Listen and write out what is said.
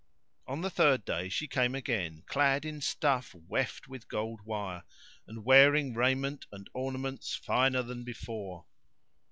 On the third day she came again, clad in stuff weft with gold wire, and wearing raiment and ornaments finer than before.